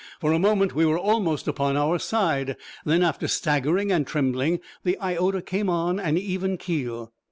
For a moment we were almost upon our side. Then, after staggering and trembling, the Iota came on an even keel.